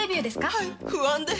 はい、不安です。